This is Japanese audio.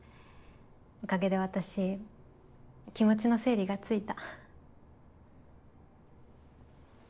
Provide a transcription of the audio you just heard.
おかげで私気持ちの整理がついた。